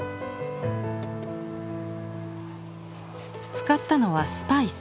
使ったのはスパイス。